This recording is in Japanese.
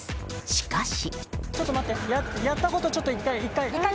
しかし。